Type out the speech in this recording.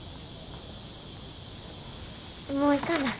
もう行かな。